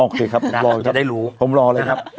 โอเคครับผมรอเลยครับ